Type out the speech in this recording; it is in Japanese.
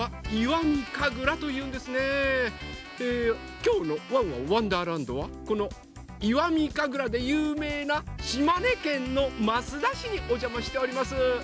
これはきょうの「ワンワンわんだーらんど」はこの「石見神楽」でゆうめいな島根県の益田市におじゃましております。